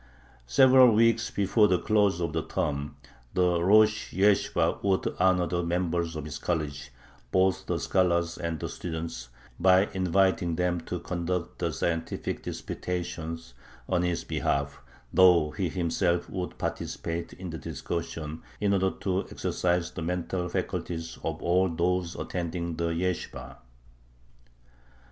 Several weeks before the close of the term the rosh yeshibah would honor the members of his college, both the scholars and the students, by inviting them to conduct the scientific disputations on his behalf, though he himself would participate in the discussion in order to exercise the mental faculties of all those attending the yeshibah.